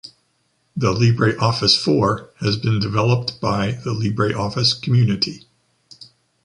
The LibreOffice four has been developed by the LibreOffice community.